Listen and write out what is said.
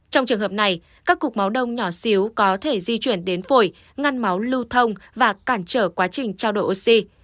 trong trường hợp này các cục máu đông nhỏ xíu có thể di chuyển đến phổi ngăn máu lưu thông và cản trở quá trình trao đổi oxy